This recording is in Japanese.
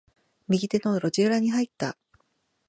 右手の裏路地に入った。